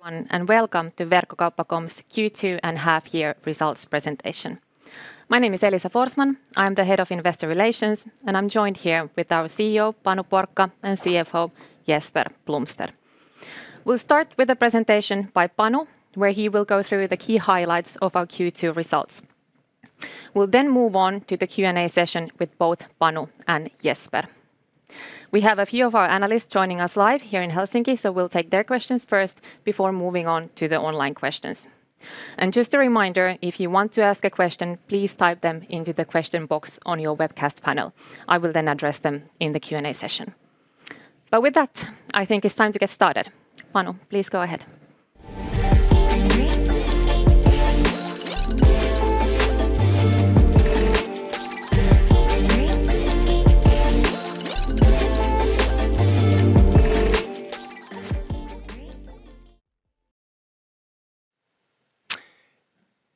Good morning, everyone, and welcome to Verkkokauppa.com's Q2 and half year results presentation. My name is Elisa Forsman. I am the Head of Investor Relations, and I'm joined here with our CEO, Panu Porkka, and CFO, Jesper Blomster. We'll start with a presentation by Panu, where he will go through the key highlights of our Q2 results. We'll then move on to the Q&A session with both Panu and Jesper. We have a few of our analysts joining us live here in Helsinki, so we'll take their questions first before moving on to the online questions. Just a reminder, if you want to ask a question, please type them into the question box on your webcast panel. I will then address them in the Q&A session. With that, I think it's time to get started. Panu, please go ahead.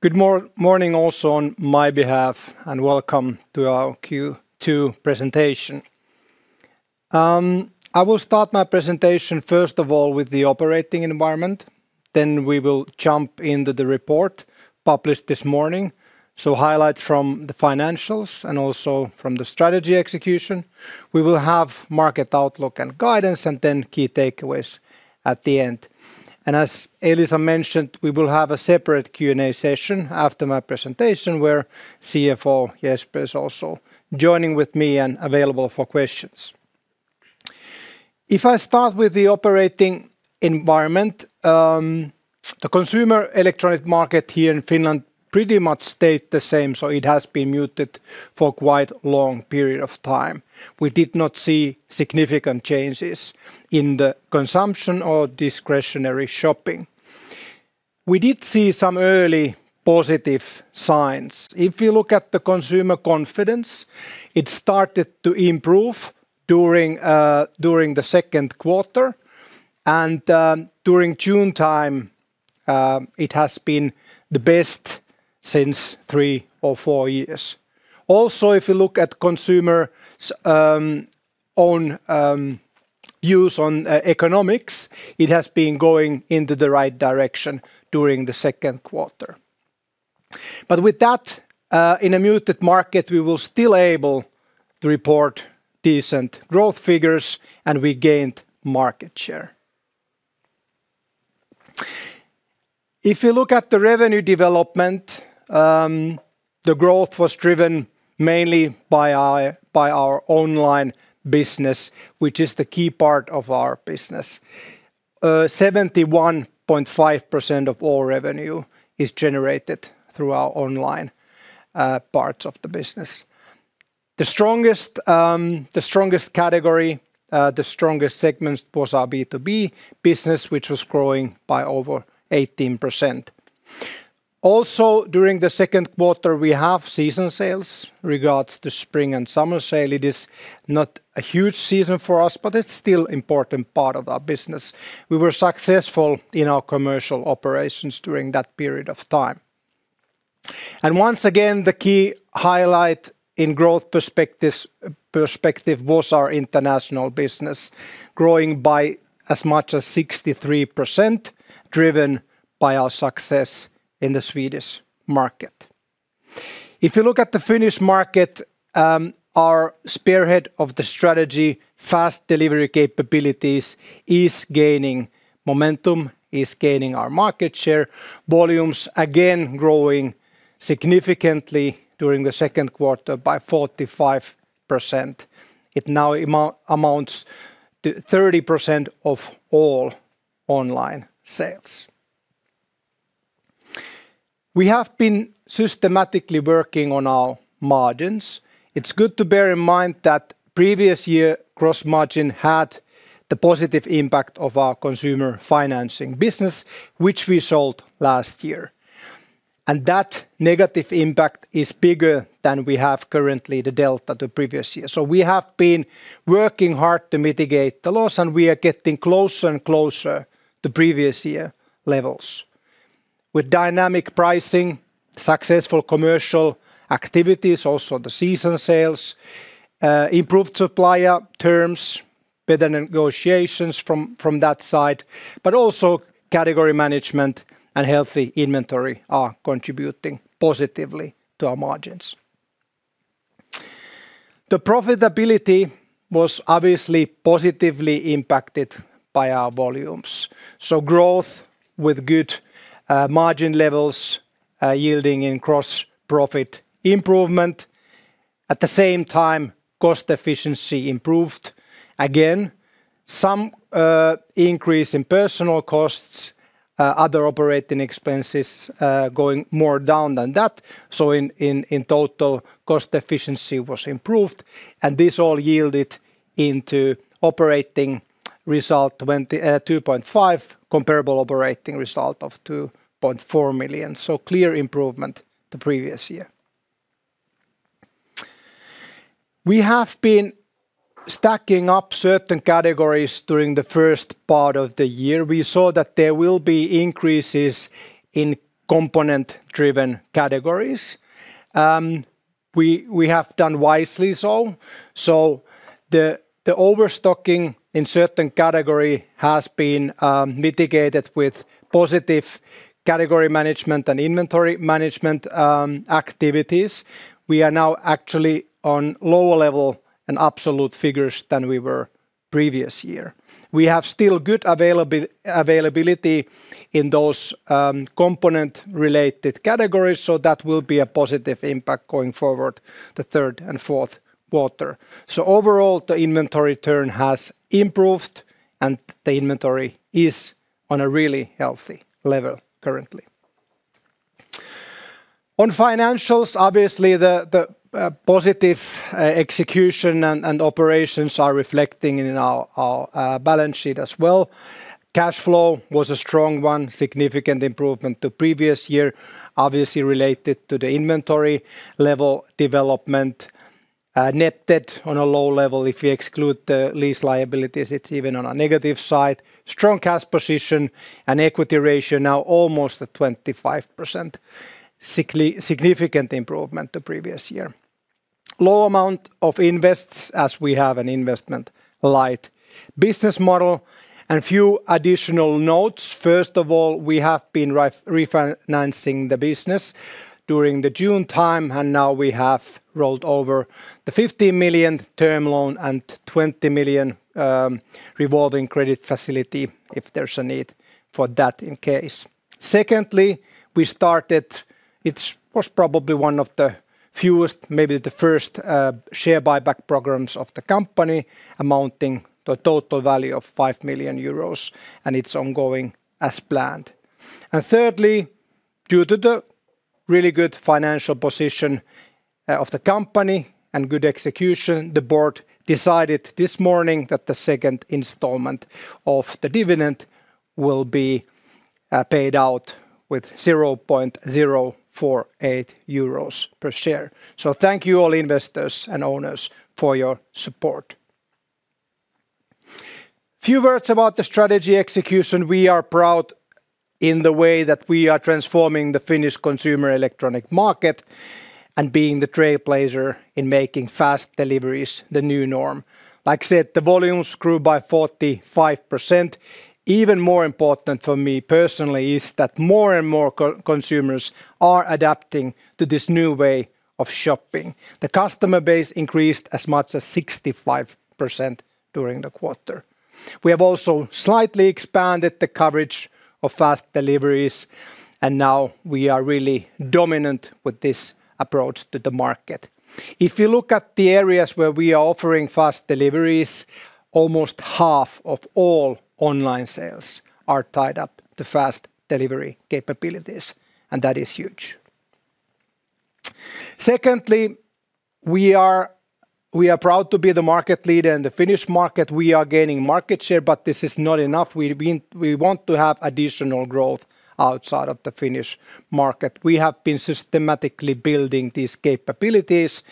Good morning also on my behalf, and welcome to our Q2 presentation. I will start my presentation, first of all, with the operating environment. Then we will jump into the report published this morning, so highlights from the financials and also from the strategy execution. We will have market outlook and guidance and then key takeaways at the end. As Elisa mentioned, we will have a separate Q&A session after my presentation where CFO Jesper is also joining with me and available for questions. I start with the operating environment, the consumer electronic market here in Finland pretty much stayed the same. It has been muted for quite long period of time. We did not see significant changes in the consumption or discretionary shopping. We did see some early positive signs. If you look at the consumer confidence, it started to improve during the second quarter and during June time, it has been the best since three or four years. If you look at consumer's own views on economics, it has been going into the right direction during the second quarter. With that, in a muted market, we were still able to report decent growth figures, and we gained market share. If you look at the revenue development, the growth was driven mainly by our online business, which is the key part of our business. 71.5% of all revenue is generated through our online parts of the business. The strongest category, the strongest segment was our B2B business, which was growing by over 18%. During the second quarter, we have season sales regards to spring and summer sale. It is not a huge season for us, but it's still important part of our business. We were successful in our commercial operations during that period of time. Once again, the key highlight in growth perspective was our international business growing by as much as 63%, driven by our success in the Swedish market. If you look at the Finnish market, our spearhead of the strategy, fast delivery capabilities, is gaining momentum, is gaining our market share, volumes again growing significantly during the second quarter by 45%. It now amounts to 30% of all online sales. We have been systematically working on our margins. It's good to bear in mind that previous year gross margin had the positive impact of our consumer financing business, which we sold last year. That negative impact is bigger than we have currently the delta to previous year. We have been working hard to mitigate the loss, we are getting closer and closer to previous year levels. With dynamic pricing, successful commercial activities, also the season sales, improved supplier terms, better negotiations from that side, but also category management and healthy inventory are contributing positively to our margins. The profitability was obviously positively impacted by our volumes, growth with good margin levels yielding in gross-profit improvement. At the same time, cost efficiency improved. Again, some increase in personnel costs, other operating expenses going more down than that. In total, cost efficiency was improved, and this all yielded into operating result 2.5 million, comparable operating result of 2.4 million. Clear improvement to previous year. We have been stacking up certain categories during the first part of the year. We saw that there will be increases in component-driven categories. We have done wisely so. The overstocking in certain category has been mitigated with positive category management and inventory management activities. We are now actually on lower level and absolute figures than we were previous year. We have still good availability in those component-related categories, that will be a positive impact going forward the third and fourth quarter. Overall, the inventory turn has improved, and the inventory is on a really healthy level currently. On financials, obviously the positive execution and operations are reflecting in our balance sheet as well. Cash flow was a strong one, significant improvement to previous year, obviously related to the inventory level development. Net debt on a low level, if you exclude the lease liabilities, it's even on a negative side. Strong cash position and equity ratio now almost at 25%, significant improvement to previous year. Low amount of invests as we have an investment-light business model. Few additional notes. First of all, we have been refinancing the business during the June time, now we have rolled over the 15 million term loan and 20 million revolving credit facility if there's a need for that in case. Secondly, we started, it was probably one of the fewest, maybe the first, share buyback programs of the company, amounting to a total value of 5 million euros, and it's ongoing as planned. Thirdly, due to the really good financial position of the company and good execution, the board decided this morning that the second installment of the dividend will be paid out with 0.048 euros per share. Thank you all investors and owners for your support. Few words about the strategy execution. We are proud in the way that we are transforming the Finnish consumer electronic market and being the trailblazer in making fast deliveries the new norm. Like I said, the volumes grew by 45%. Even more important for me personally is that more and more consumers are adapting to this new way of shopping. The customer base increased as much as 65% during the quarter. We have also slightly expanded the coverage of fast deliveries, now we are really dominant with this approach to the market. If you look at the areas where we are offering fast deliveries, almost half of all online sales are tied up to fast delivery capabilities, that is huge. Secondly, we are proud to be the market leader in the Finnish market. We are gaining market share, this is not enough. We want to have additional growth outside of the Finnish market. We have been systematically building these capabilities,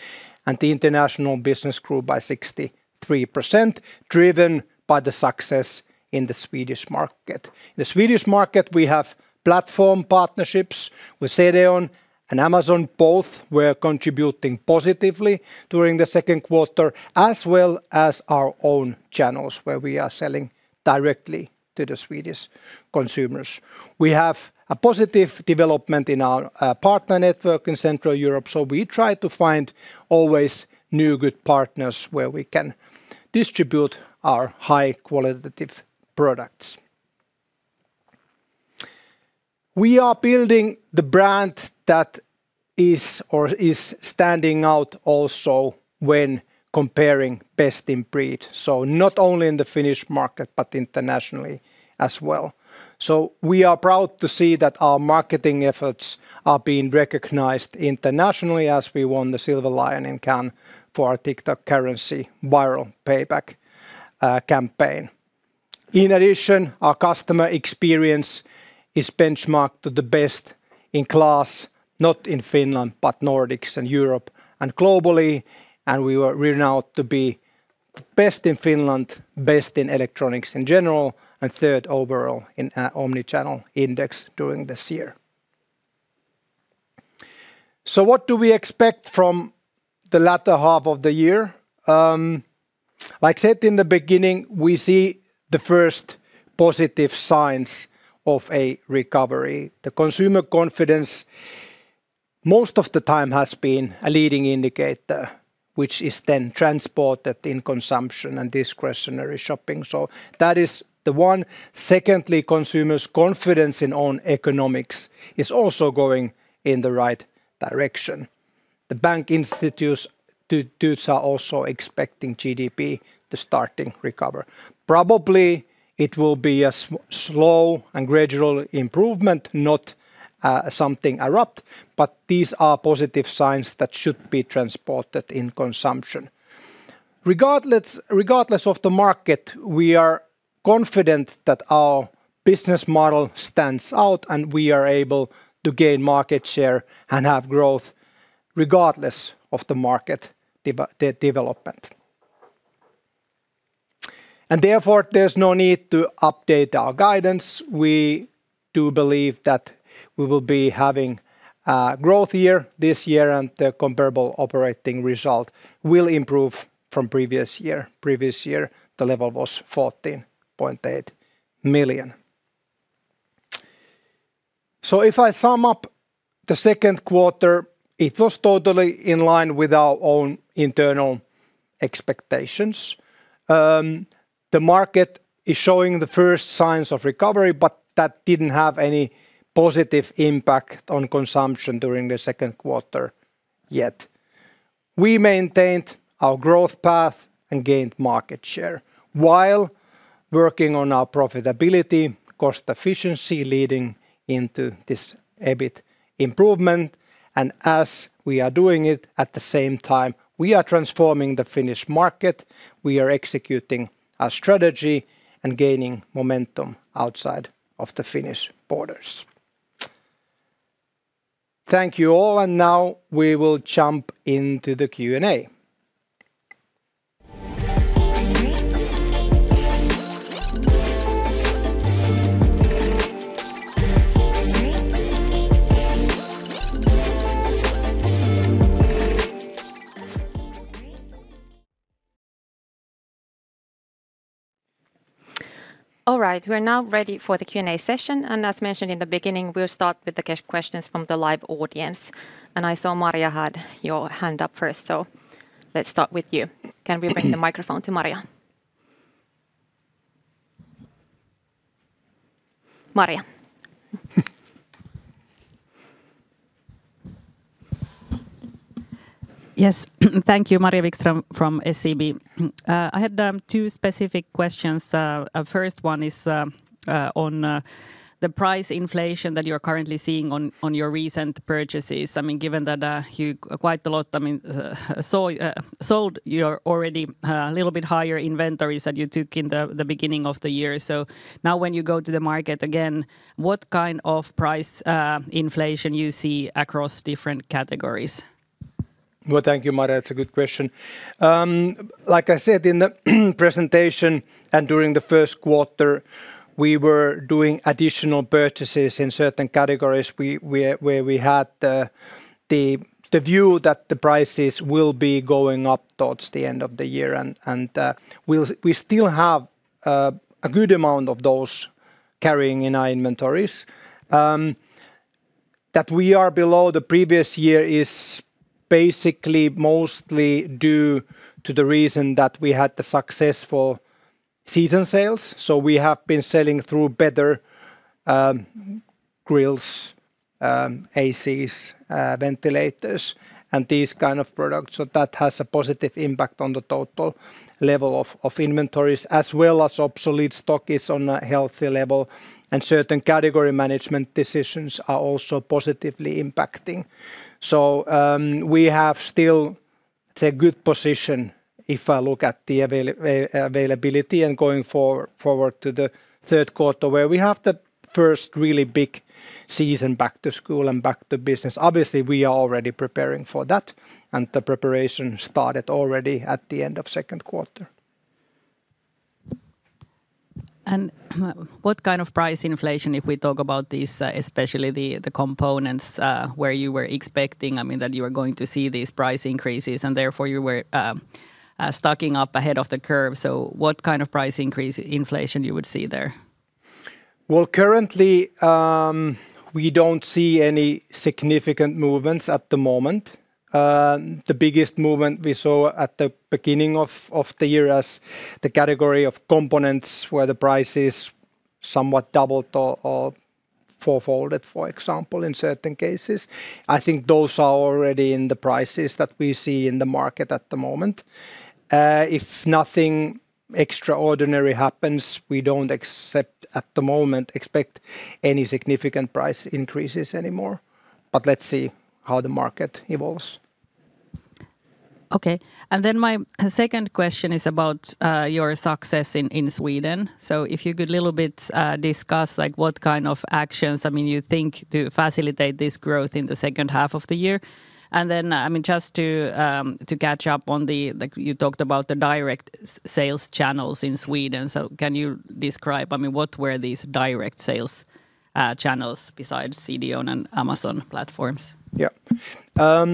and the international business grew by 63%, driven by the success in the Swedish market. In the Swedish market, we have platform partnerships with CDON and Amazon. Both were contributing positively during the second quarter, as well as our own channels, where we are selling directly to the Swedish consumers. We have a positive development in our partner network in Central Europe, so we try to find always new good partners where we can distribute our high-qualitative products. We are building the brand that is standing out also when comparing best in breed, so not only in the Finnish market but internationally as well. We are proud to see that our marketing efforts are being recognized internationally as we won the Silver Lion in Cannes for our TikTok currency viral payback campaign. In addition, our customer experience is benchmarked to the best in class, not in Finland, but Nordics and Europe and globally. We were renowned to be best in Finland, best in electronics in general, and third overall in Omnichannel Index during this year. What do we expect from the latter half of the year? Like I said in the beginning, we see the first positive signs of a recovery. The consumer confidence, most of the time has been a leading indicator, which is then transported in consumption and discretionary shopping. That is the one. Secondly, consumers' confidence in own economics is also going in the right direction. The bank institutes' views are also expecting GDP to starting recover. Probably it will be a slow and gradual improvement, not something abrupt, but these are positive signs that should be transported in consumption. Regardless of the market, we are confident that our business model stands out, and we are able to gain market share and have growth regardless of the market development. Therefore, there's no need to update our guidance. We do believe that we will be having a growth year this year, and the comparable operating result will improve from previous year. Previous year, the level was 14.8 million. If I sum up the second quarter, it was totally in line with our own internal expectations. The market is showing the first signs of recovery, but that didn't have any positive impact on consumption during the second quarter yet. We maintained our growth path and gained market share while working on our profitability, cost efficiency leading into this EBIT improvement. As we are doing it, at the same time, we are transforming the Finnish market. We are executing our strategy and gaining momentum outside of the Finnish borders. Thank you all, and now we will jump into the Q&A. All right. We're now ready for the Q&A session, and as mentioned in the beginning, we'll start with the questions from the live audience. I saw Maria had your hand up first, so let's start with you. Can we bring the microphone to Maria? Maria. Yes. Thank you. Maria Wikström from SEB. I had two specific questions. First one is on the price inflation that you're currently seeing on your recent purchases. Given that you quite a lot sold your already little bit higher inventories that you took in the beginning of the year. Now when you go to the market again, what kind of price inflation you see across different categories? Well, thank you, Maria. It's a good question. Like I said in the presentation and during the first quarter, we were doing additional purchases in certain categories where we had the view that the prices will be going up towards the end of the year. We still have a good amount of those carrying in our inventories. That we are below the previous year is basically mostly due to the reason that we had the successful season sales. We have been selling through better grills, ACs, ventilators, and these kind of products. That has a positive impact on the total level of inventories, as well as obsolete stock is on a healthy level, and certain category management decisions are also positively impacting. We have still a good position if I look at the availability and going forward to the third quarter, where we have the first really big season back to school and back to business. Obviously, we are already preparing for that, and the preparation started already at the end of second quarter. What kind of price inflation, if we talk about this, especially the components, where you were expecting that you are going to see these price increases and therefore you were stocking up ahead of the curve. What kind of price increase inflation you would see there? Well, currently, we don't see any significant movements at the moment. The biggest movement we saw at the beginning of the year as the category of components where the prices somewhat doubled or fourfolded, for example, in certain cases. I think those are already in the prices that we see in the market at the moment. If nothing extraordinary happens, we don't, at the moment, expect any significant price increases anymore. Let's see how the market evolves. Okay. My second question is about your success in Sweden. If you could a little bit discuss what kind of actions you think to facilitate this growth in the second half of the year. Just to catch up on the, you talked about the direct sales channels in Sweden. Can you describe what were these direct sales channels besides CDON and Amazon platforms? Yeah.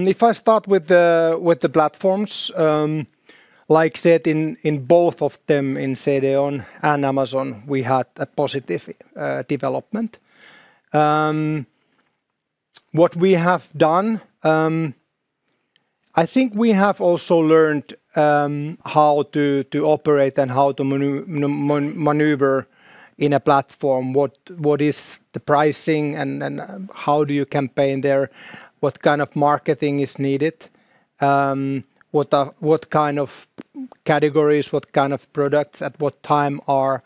If I start with the platforms. Like I said, in both of them, in CDON and Amazon, we had a positive development. What we have done, I think we have also learned how to operate and how to maneuver in a platform. What is the pricing and then how do you campaign there? What kind of marketing is needed? What kind of categories, what kind of products at what time are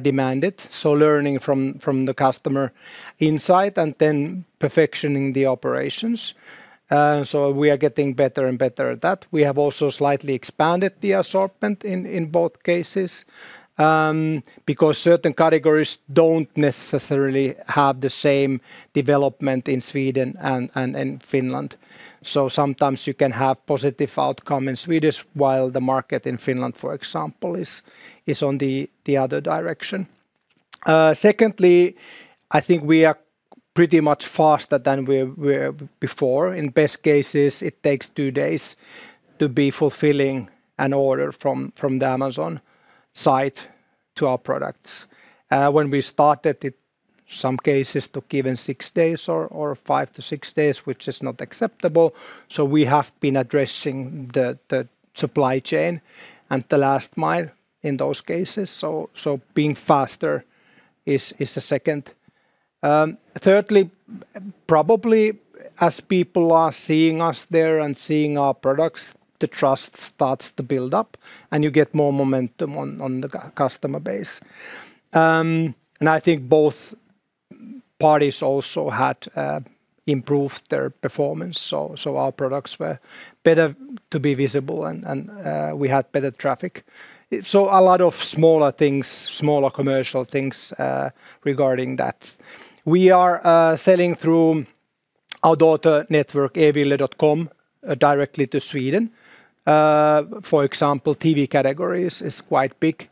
demanded? Learning from the customer insight and then perfectioning the operations. We are getting better and better at that. We have also slightly expanded the assortment in both cases. Certain categories don't necessarily have the same development in Sweden and in Finland. Sometimes you can have positive outcome in Swedish, while the market in Finland, for example, is on the other direction Secondly, I think we are pretty much faster than we were before. In best cases, it takes two days to be fulfilling an order from the Amazon site to our products. When we started it, some cases took even six days or five to six days, which is not acceptable. We have been addressing the supply chain and the last mile in those cases. Being faster is the second. Thirdly, probably as people are seeing us there and seeing our products, the trust starts to build up and you get more momentum on the customer base. I think both parties also had improved their performance. Our products were better to be visible and we had better traffic. A lot of smaller things, smaller commercial things regarding that. We are selling through our daughter network, e-ville.com, directly to Sweden. For example, TV categories is quite big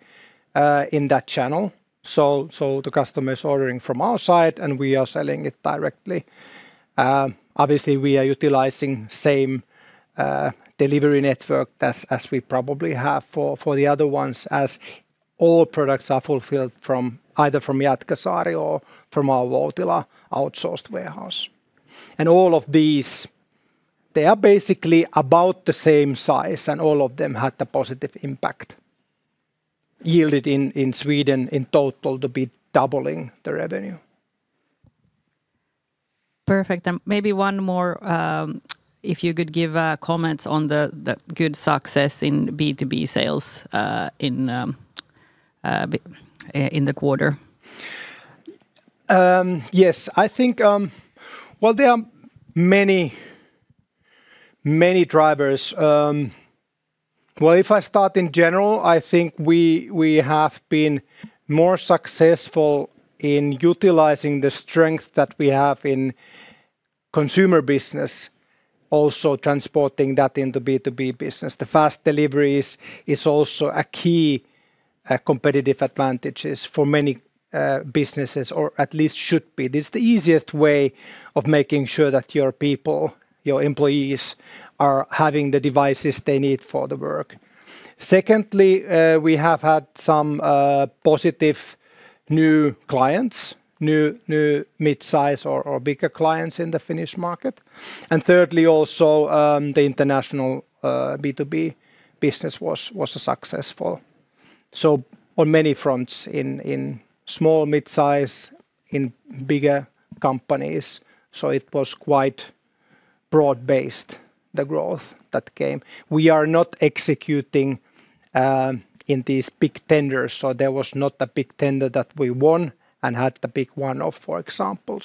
in that channel. The customer is ordering from our site, and we are selling it directly. Obviously, we are utilizing same delivery network as we probably have for the other ones, as all products are fulfilled either from Jätkäsaari or from our Voutila outsourced warehouse. All of these, they are basically about the same size, and all of them had a positive impact yielded in Sweden in total to be doubling the revenue. Perfect. Maybe one more, if you could give comments on the good success in B2B sales in the quarter. Yes. Well, there are many drivers. If I start in general, I think we have been more successful in utilizing the strength that we have in consumer business, also transporting that into B2B business. The fast deliveries is also a key competitive advantages for many businesses, or at least should be. This is the easiest way of making sure that your people, your employees, are having the devices they need for the work. Secondly, we have had some positive new clients, new mid-size or bigger clients in the Finnish market. Thirdly, also the international B2B business was successful. On many fronts in small mid-size, in bigger companies. It was quite broad-based, the growth that came. We are not executing in these big tenders, so there was not a big tender that we won and had the big one-off, for example.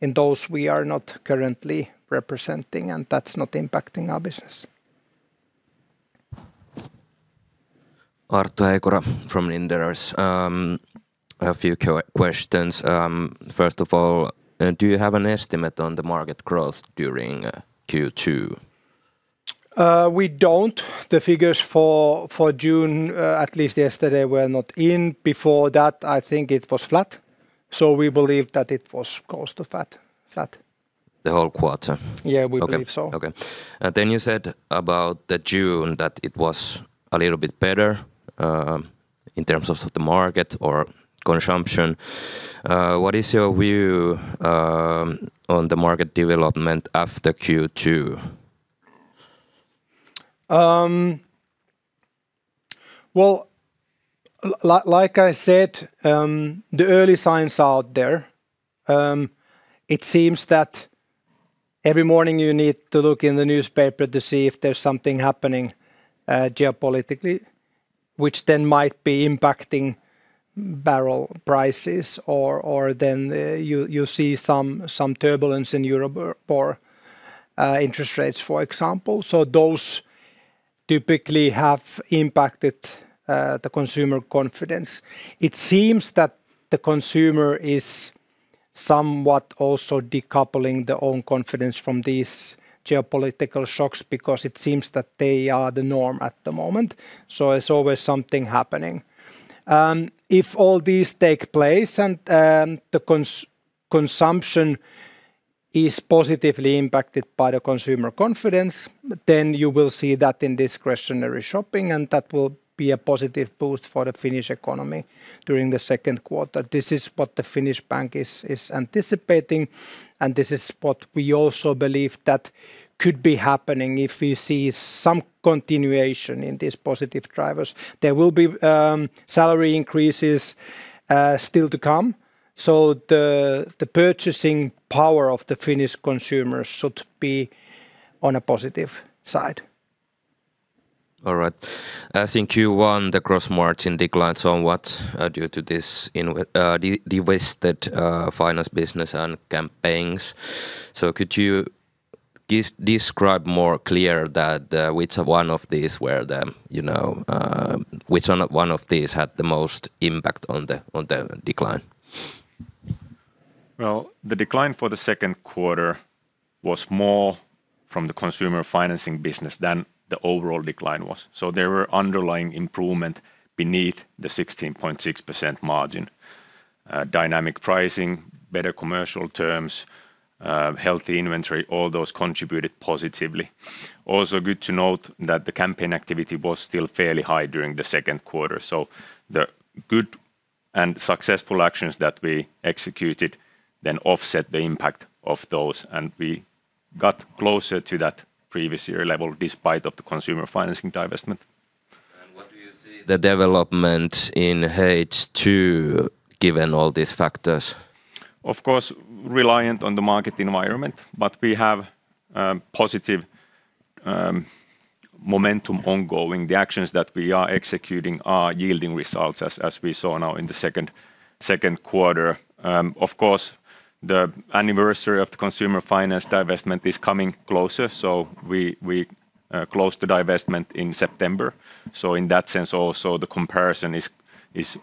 In those, we are not currently representing, and that's not impacting our business. Arttu Heikura from Inderes. I have a few questions. First of all, do you have an estimate on the market growth during Q2? We don't. The figures for June, at least yesterday, were not in. Before that, I think it was flat. We believe that it was close to flat. The whole quarter? Yeah, we believe so. Okay. You said about the June that it was a little bit better in terms of the market or consumption. What is your view on the market development after Q2? Well, like I said, the early signs are out there. It seems that every morning you need to look in the newspaper to see if there's something happening geopolitically, which then might be impacting barrel prices, or then you see some turbulence in Europe or interest rates, for example. Those typically have impacted the consumer confidence. It seems that the consumer is somewhat also decoupling their own confidence from these geopolitical shocks because it seems that they are the norm at the moment. It's always something happening. If all these take place and the consumption is positively impacted by the consumer confidence, then you will see that in discretionary shopping, and that will be a positive boost for the Finnish economy during the second quarter. This is what the Bank of Finland is anticipating, and this is what we also believe that could be happening if we see some continuation in these positive drivers. There will be salary increases still to come. The purchasing power of the Finnish consumers should be on a positive side. All right. As in Q1, the gross margin declines on what due to this divested finance business and campaigns. Could you describe more clear that which one of these had the most impact on the decline? Well, the decline for the second quarter was more from the consumer financing business than the overall decline was. There were underlying improvement beneath the 16.6% margin. Dynamic pricing, better commercial terms, healthy inventory, all those contributed positively. Also good to note that the campaign activity was still fairly high during the second quarter. The good and successful actions that we executed then offset the impact of those, and we got closer to that previous year level despite of the consumer financing divestment. What do you see the development in H2 given all these factors? Of course, reliant on the market environment, but we have positive momentum ongoing. The actions that we are executing are yielding results as we saw now in the second quarter. Of course, the anniversary of the consumer finance divestment is coming closer. We closed the divestment in September. In that sense also the comparison is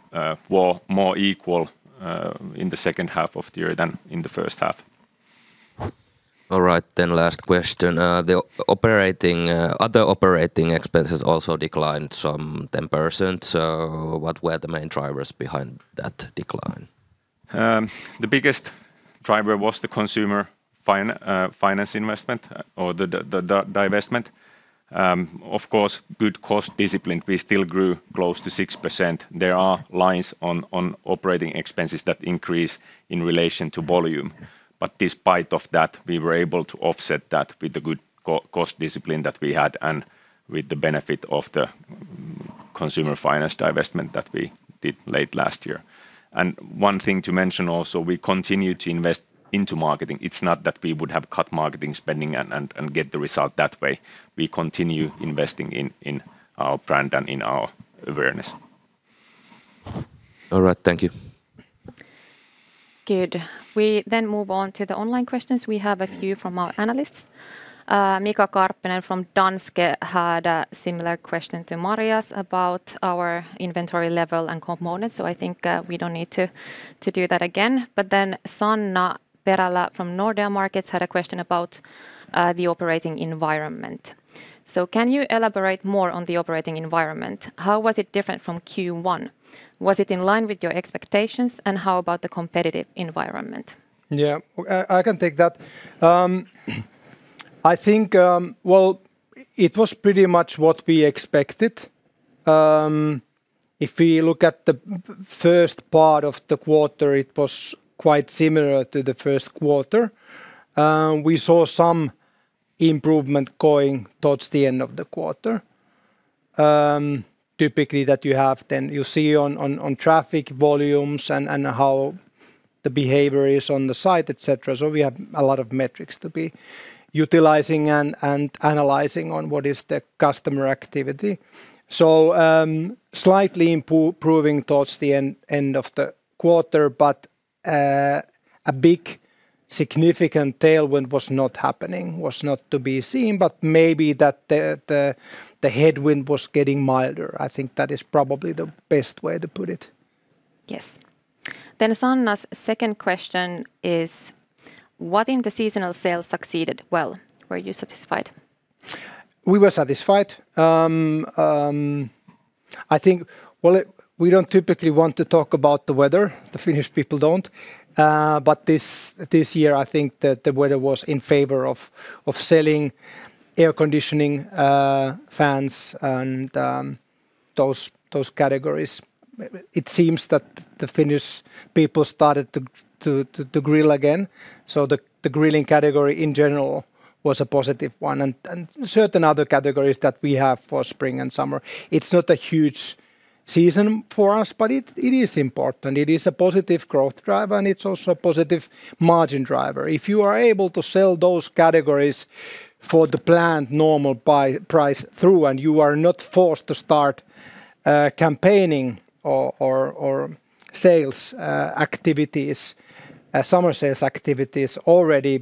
more equal in the second half of the year than in the first half. All right. Last question. The other operating expenses also declined some 10%. What were the main drivers behind that decline? The biggest driver was the consumer finance investment or the divestment. Of course, good cost discipline. We still grew close to 6%. There are lines on operating expenses that increase in relation to volume. Despite of that, we were able to offset that with the good cost discipline that we had and with the benefit of the consumer finance divestment that we did late last year. One thing to mention also, we continue to invest into marketing. It's not that we would have cut marketing spending and get the result that way. We continue investing in our brand and in our awareness. All right. Thank you. Good. We move on to the online questions. We have a few from our analysts. Mika Karppinen from Danske had a similar question to Maria's about our inventory level and component. I think we don't need to do that again. Sanna Perälä from Nordea Markets had a question about the operating environment. Can you elaborate more on the operating environment? How was it different from Q1? Was it in line with your expectations, and how about the competitive environment? Yeah. I can take that. I think, well, it was pretty much what we expected. If we look at the first part of the quarter, it was quite similar to the first quarter. We saw some improvement going towards the end of the quarter. Typically that you have then you see on traffic volumes and how the behavior is on the site, et cetera. We have a lot of metrics to be utilizing and analyzing on what is the customer activity. Slightly improving towards the end of the quarter, but a big significant tailwind was not happening, was not to be seen, but maybe that the headwind was getting milder. I think that is probably the best way to put it. Yes. Sanna's second question is, what in the seasonal sales succeeded well? Were you satisfied? We were satisfied. I think, well, we don't typically want to talk about the weather, the Finnish people don't. This year, I think that the weather was in favor of selling air conditioning, fans, and those categories. It seems that the Finnish people started to grill again. The grilling category in general was a positive one. Certain other categories that we have for spring and summer, it's not a huge season for us, but it is important. It is a positive growth driver, and it's also a positive margin driver. If you are able to sell those categories for the planned normal price through and you are not forced to start campaigning or sales activities, summer sales activities already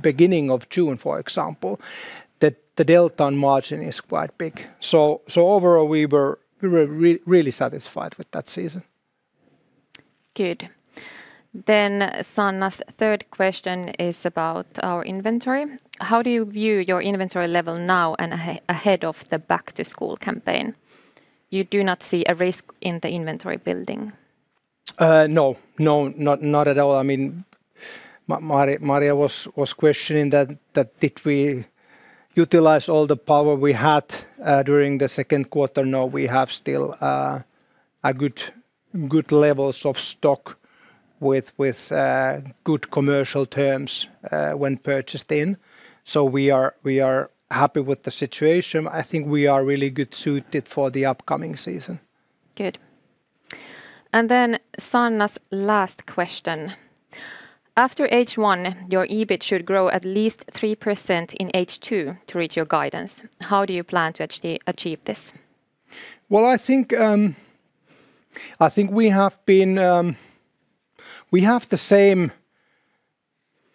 beginning of June, for example. The delta on margin is quite big. Overall, we were really satisfied with that season. Good. Sanna's third question is about our inventory. How do you view your inventory level now and ahead of the back-to-school campaign? You do not see a risk in the inventory building. No. Not at all. Maria was questioning that did we utilize all the power we had during the second quarter? No, we have still good levels of stock with good commercial terms when purchased in. We are happy with the situation. I think we are really well suited for the upcoming season. Good. Sanna's last question. After H1, your EBIT should grow at least 3% in H2 to reach your guidance. How do you plan to achieve this? Well, I think we have the same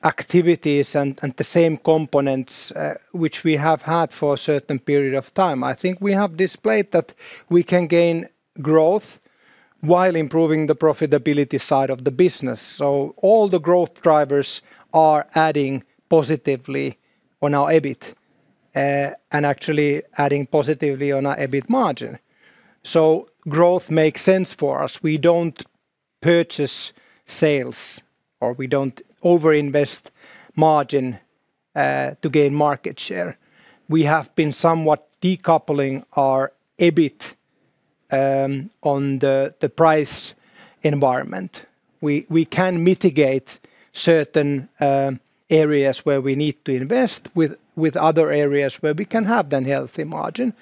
activities and the same components which we have had for a certain period of time. I think we have displayed that we can gain growth while improving the profitability side of the business. All the growth drivers are adding positively on our EBIT and actually adding positively on our EBIT margin. Growth makes sense for us. We don't purchase sales, or we don't over-invest margin to gain market share. We have been somewhat decoupling our EBIT from the price environment. We can mitigate certain areas where we need to invest with other areas where we can have then healthy margin.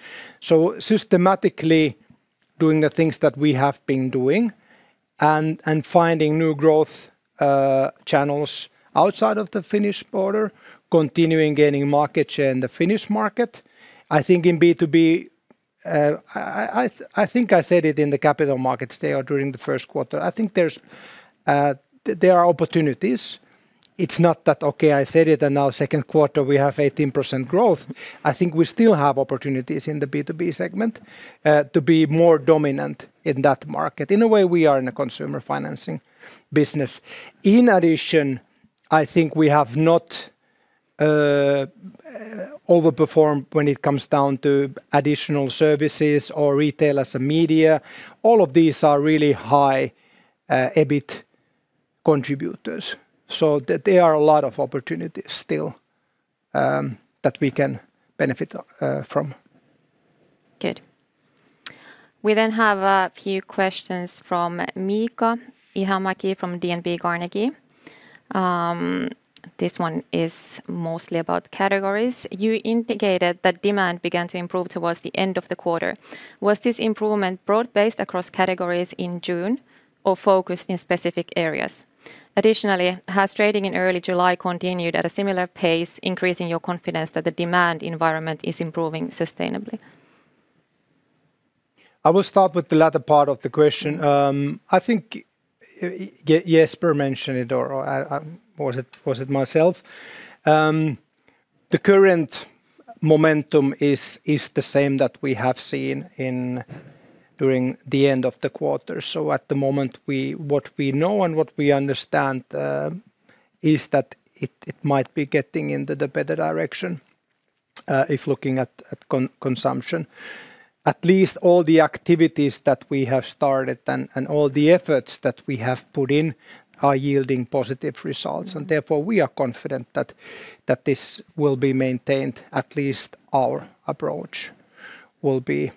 Systematically doing the things that we have been doing and finding new growth channels outside of the Finnish border, continuing gaining market share in the Finnish market. I think in B2B, I think I said it in the capital markets day or during the first quarter, I think there are opportunities. It's not that, okay, I said it and now second quarter we have 18% growth. I think we still have opportunities in the B2B segment to be more dominant in that market. In a way, we are in a consumer financing business. In addition, I think we have not overperformed when it comes down to additional services or retail as a media. All of these are really high EBIT contributors. There are a lot of opportunities still that we can benefit from. Good. We have a few questions from Miika Ihamäki from DNB Carnegie. This one is mostly about categories. You indicated that demand began to improve towards the end of the quarter. Was this improvement broad-based across categories in June or focused in specific areas? Additionally, has trading in early July continued at a similar pace, increasing your confidence that the demand environment is improving sustainably? I will start with the latter part of the question. I think Jesper mentioned it or was it myself? The current momentum is the same that we have seen during the end of the quarter. At the moment, what we know and what we understand is that it might be getting into the better direction if looking at consumption. At least all the activities that we have started and all the efforts that we have put in are yielding positive results. Therefore, we are confident that this will be maintained, at least our approach will be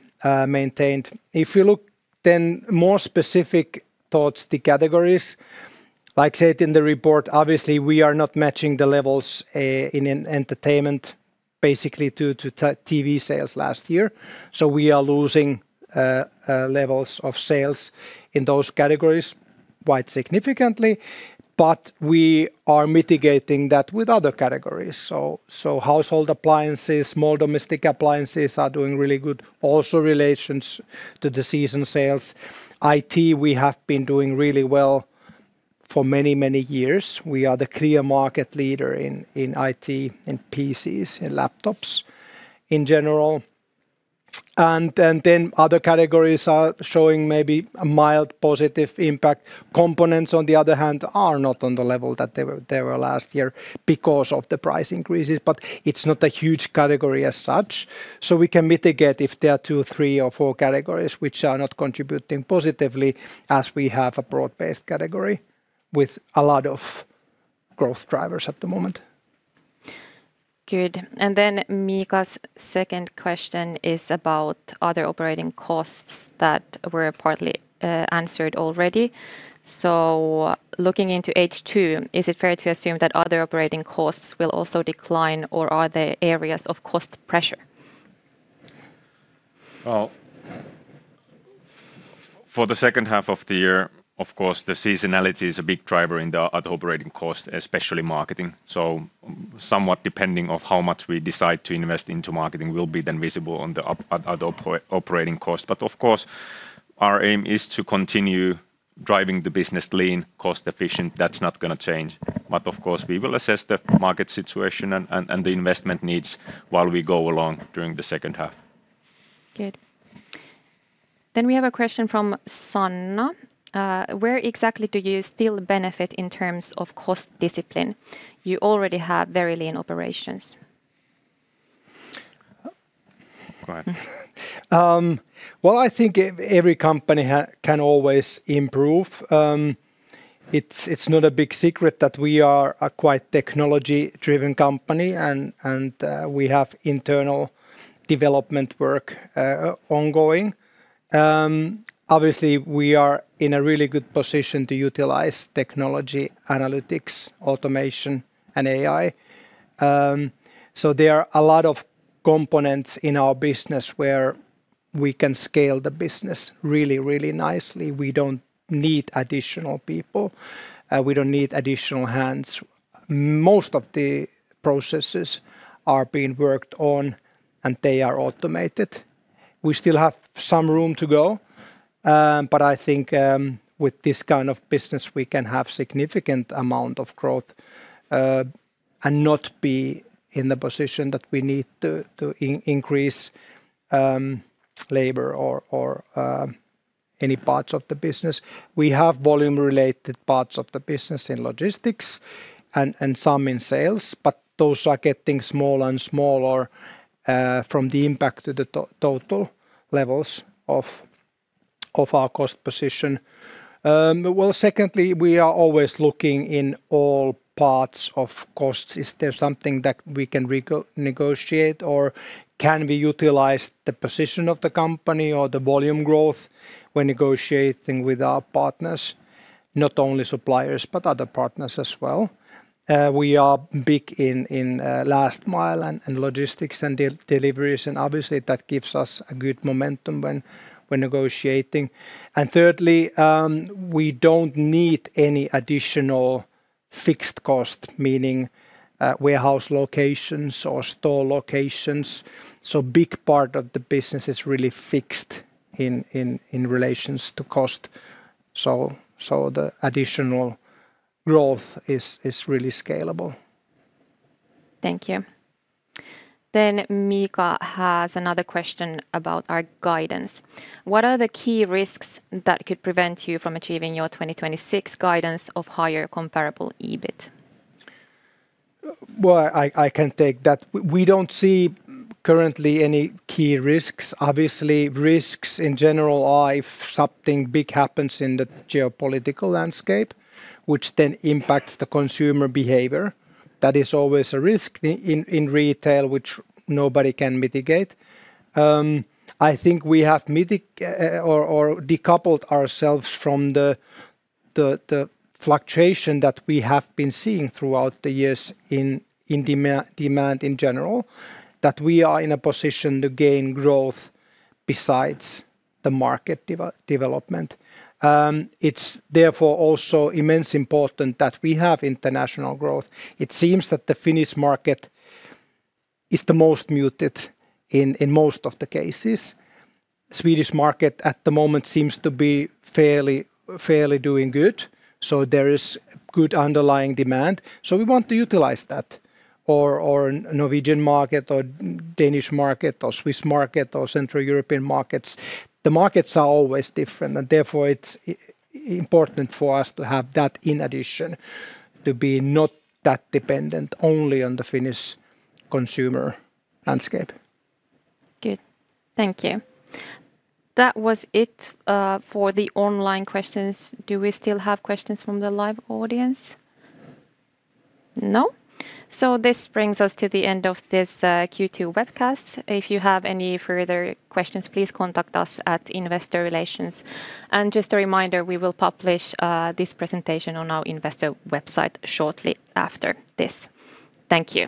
maintained. If you look then more specific towards the categories, like said in the report, obviously, we are not matching the levels in entertainment basically due to TV sales last year. We are losing levels of sales in those categories quite significantly, but we are mitigating that with other categories. Household appliances, small domestic appliances are doing really good. Also relations to the season sales. IT, we have been doing really well for many, many years. We are the clear market leader in IT, in PCs, in laptops in general. Other categories are showing maybe a mild positive impact. Components, on the other hand, are not on the level that they were last year because of the price increases, but it's not a huge category as such. We can mitigate if there are two, three or four categories which are not contributing positively as we have a broad-based category with a lot of growth drivers at the moment. Good. Miika's second question is about other operating costs that were partly answered already. Looking into H2, is it fair to assume that other operating costs will also decline or are there areas of cost pressure? Well, for the second half of the year, of course, the seasonality is a big driver in the other operating cost, especially marketing. Somewhat depending on how much we decide to invest into marketing will be then visible on the other operating cost. Of course, our aim is to continue driving the business lean, cost-efficient. That's not going to change. Of course, we will assess the market situation and the investment needs while we go along during the second half. Good. We have a question from Sanna. Where exactly do you still benefit in terms of cost discipline? You already have very lean operations. Right. Well, I think every company can always improve. It's not a big secret that we are a quite technology-driven company, and we have internal development work ongoing. Obviously, we are in a really good position to utilize technology, analytics, automation, and AI. There are a lot of components in our business where we can scale the business really, really nicely. We don't need additional people. We don't need additional hands. Most of the processes are being worked on and they are automated. We still have some room to go, I think with this kind of business, we can have significant amount of growth and not be in the position that we need to increase labor or any parts of the business. We have volume-related parts of the business in logistics and some in sales, those are getting smaller and smaller from the impact to the total levels of our cost position. Well, secondly, we are always looking in all parts of costs. Is there something that we can negotiate, or can we utilize the position of the company or the volume growth when negotiating with our partners? Not only suppliers, but other partners as well. We are big in last-mile and logistics and deliveries, obviously, that gives us a good momentum when we're negotiating. Thirdly, we don't need any additional fixed cost, meaning warehouse locations or store locations. Big part of the business is really fixed in relations to cost. The additional growth is really scalable. Thank you. Mika has another question about our guidance. What are the key risks that could prevent you from achieving your 2026 guidance of higher comparable EBIT? Well, I can take that. We don't see currently any key risks. Obviously, risks in general are if something big happens in the geopolitical landscape, which then impacts the consumer behavior. That is always a risk in retail, which nobody can mitigate. I think we have decoupled ourselves from the fluctuation that we have been seeing throughout the years in demand in general, that we are in a position to gain growth besides the market development. It's therefore also immense important that we have international growth. It seems that the Finnish market is the most muted in most of the cases. Swedish market at the moment seems to be fairly doing good. There is good underlying demand, so we want to utilize that. Norwegian market or Danish market or Swiss market or Central European markets. The markets are always different, therefore, it's important for us to have that in addition, to be not that dependent only on the Finnish consumer landscape. Good. Thank you. That was it for the online questions. Do we still have questions from the live audience? No. This brings us to the end of this Q2 webcast. If you have any further questions, please contact us at Investor Relations. Just a reminder, we will publish this presentation on our investor website shortly after this. Thank you